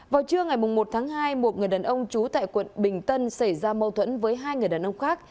vào trưa ngày một tháng hai một người đàn ông trú tại quận bình tân xảy ra mâu thuẫn với hai người đàn ông khác